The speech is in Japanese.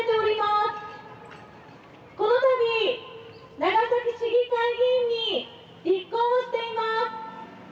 このたび長崎市議会議員に立候補しています。